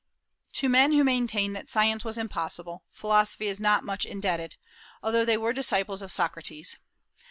To men who maintained that science was impossible, philosophy is not much indebted, although they were disciples of Socrates.